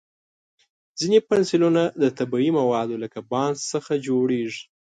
ځینې پنسلونه د طبیعي موادو لکه بانس څخه جوړېږي.